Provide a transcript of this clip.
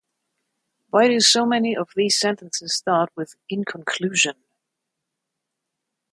Why do so many of these sentences start with "in conclusion"?